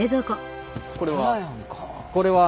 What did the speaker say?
これは？